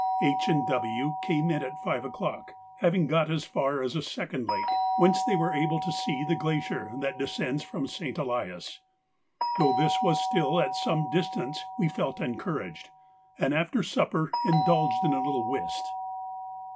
H. and W. came in at five o'clock, having got as far as a second lake, whence they were able to see the glacier that descends from St. Elias. Though this was still at some distance, we felt encouraged, and after supper indulged in a little whist.